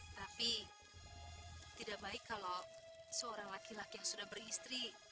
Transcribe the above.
tapi tidak baik kalau seorang laki laki yang sudah beristri